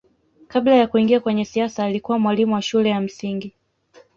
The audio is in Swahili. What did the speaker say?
kabla ya kuingia kwenye siasa alikuwa mwalimu wa shule ya msingi